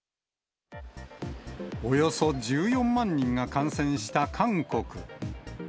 およそ１４万人が感染した韓国。